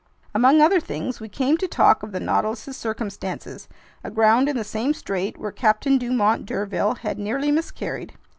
Among other things, we came to talk of the Nautilus's circumstances, aground in the same strait where Captain Dumont d'Urville had nearly miscarried.